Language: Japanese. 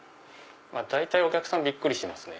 大体お客さんびっくりしますね。